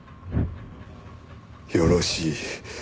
よろしい。